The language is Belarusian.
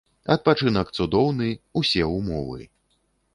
Адпачынак цудоўны, усе ўмовы.